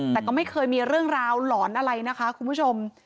แต่ก็ไม่เคยมีเรื่องราวหลอนอะไรนะคะคุณผู้ชม